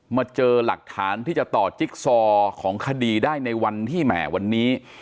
มาเจอหลักฐานที่จะต่อจิ๊กซอของคดีได้ในวันที่แหมวันนี้